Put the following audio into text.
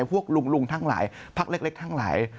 พวกลุงทั้งหลายพักเล็กทั้งหลาย